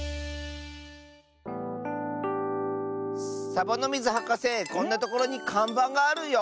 サボノミズはかせこんなところにかんばんがあるよ。